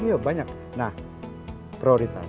iya banyak nah prioritas